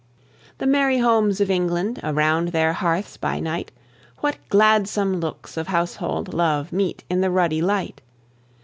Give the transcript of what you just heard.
The merry homes of England! Around their hearths by night What gladsome looks of household love Meet in the ruddy light!